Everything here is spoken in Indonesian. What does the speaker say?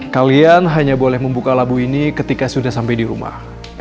kalian hanya boleh membuka labu ini ketika sudah sampai di rumah